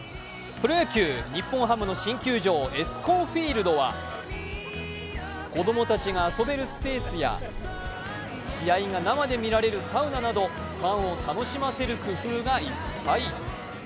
プロ野球、日本ハムの新球場・ＥＳＣＯＮＦＩＥＬＤは子供たちが遊べるスペースや試合が生で見られるサウナなどファンを楽しませる工夫がいっぱい。